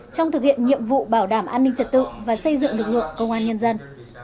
trong thực hiện nhiệm vụ bảo đảm an ninh trật tự và xây dựng lực lượng công an nhân dân